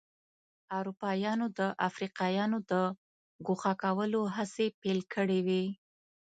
اروپایانو د افریقایانو د ګوښه کولو هڅې پیل کړې وې.